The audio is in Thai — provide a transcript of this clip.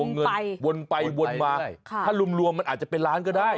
วนไปวนไปวนมาค่ะถ้ารุมรวมมันอาจจะเป็นล้านก็ได้